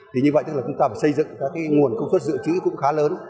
thì như vậy tức là chúng ta phải xây dựng các nguồn công suất dự trữ cũng khá lớn